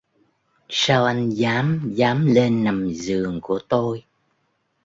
Sao anh dám dám lên nằm giường của tôi